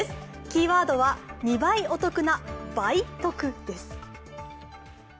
キーワードは２倍お得な倍得です。